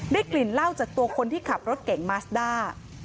กลิ่นเหล้าจากตัวคนที่ขับรถเก่งมาสด้า